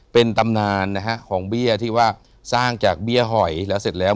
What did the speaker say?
เป็นตำนานนะฮะของเบี้ยที่ว่าสร้างจากเบี้ยหอยแล้วเสร็จแล้ว